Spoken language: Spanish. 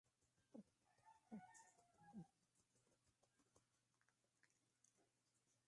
En Argel la noticia causa indignación entre los militares y los residentes franceses.